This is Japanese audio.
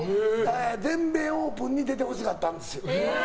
全米オープンに出てほしかったんですよ。